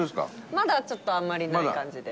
まだちょっとあんまりない感じで。